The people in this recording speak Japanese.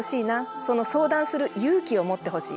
その相談する勇気を持ってほしい。